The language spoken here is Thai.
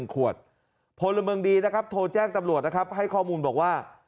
ขวดพลเมืองดีนะครับโทรแจ้งตำรวจนะครับให้ข้อมูลบอกว่า